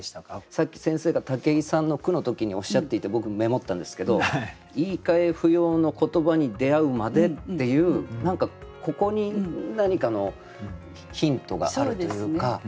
さっき先生が武井さんの句の時におっしゃっていて僕メモったんですけど「言いかえ不要の言葉に出会うまで」っていう何かここに何かのヒントがあるというか。